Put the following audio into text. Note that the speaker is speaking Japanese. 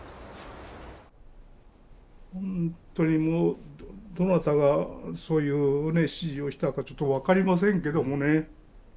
本当にもうどなたがそういうね指示をしたかちょっと分かりませんけどもね。